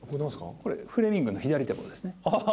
フレミングの左手棒ですね。